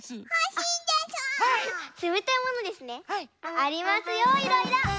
ありますよいろいろ。